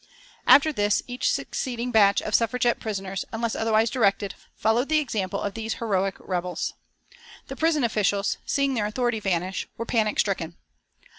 After this each succeeding batch of Suffragette prisoners, unless otherwise directed, followed the example of these heroic rebels. The prison officials, seeing their authority vanish, were panic stricken.